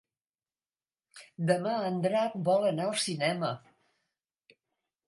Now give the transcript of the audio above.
Demà en Drac vol anar al cinema.